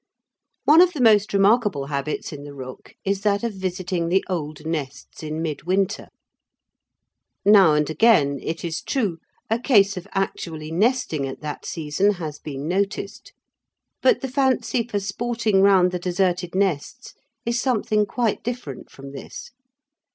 One of the most remarkable habits in the rook is that of visiting the old nests in mid winter. Now and again, it is true, a case of actually nesting at that season has been noticed, but the fancy for sporting round the deserted nests is something quite different from this.